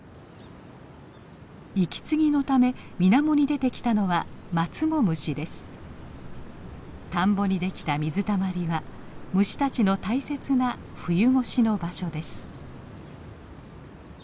息継ぎのため水面に出てきたのは田んぼにできた水たまりは虫たちの大切な冬越しの場所です。